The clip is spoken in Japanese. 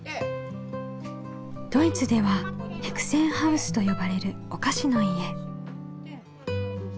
ドイツではヘクセンハウスと呼ばれるお菓子の家。